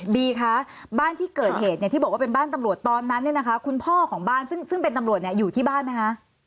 บีคะบ้านที่เกิดเหตุเนี่ยที่บอกว่าเป็นบ้านตำรวจตอนนั้นเนี่ยนะคะคุณพ่อของบ้านซึ่งเป็นตำรวจอยู่ที่บ้านไหมคะ